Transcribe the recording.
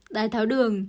đài tháo đường